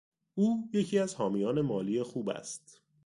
او یکی از حامیان مالی خوب است.